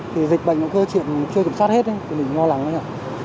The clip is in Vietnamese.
thì dịch bệnh nó cứ chuyện chưa kiểm soát hết ấy mình lo lắng đấy hả